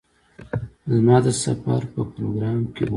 زما د سفر په پروگرام کې وه.